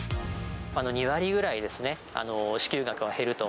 ２割ぐらいですね、支給額は減ると。